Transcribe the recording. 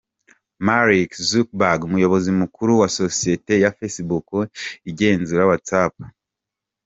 Marc Zukerbeg umuyobozi mukuru wa sosiyete ya Facebook igenzura Watsapp.